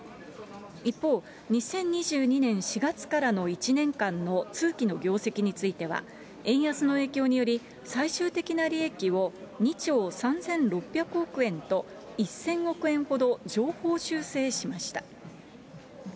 一方、２０２２年４月からの１年間の通期の業績については、円安の影響により、最終的な利益を２兆３６００億円と、１０００億円ほど上方修正しました。